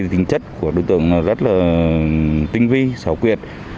tính chất của đối tượng rất là tinh vi xảo quyệt